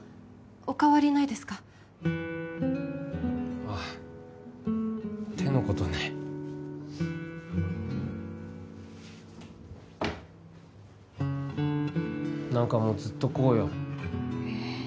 お変わりないですかあっ手のことね何かもうずっとこうよえっ？